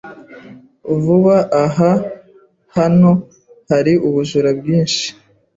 Vuba aha, hano hari ubujura bwinshi.